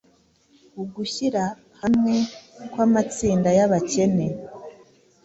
ugushyira hamwe kw’amatsinda y’abakene